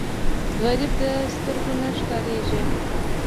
غریب د سترګو نه ښکارېږي